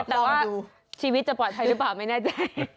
แต่ว่าชีวิตจะปลอดภัยหรือเปล่าไม่แน่ใจ